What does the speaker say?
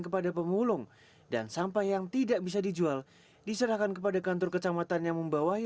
kepada pemulung dan sampah yang tidak bisa dijual diserahkan kepada kantor kecamatan yang membawahi